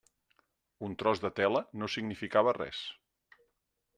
Un tros de tela no significava res.